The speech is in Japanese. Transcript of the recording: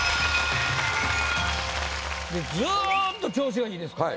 ずっと調子がいいですから。